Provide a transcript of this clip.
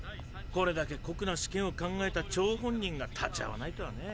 これだけ酷な試験を考えた張本人が立ち会わないとはねえ。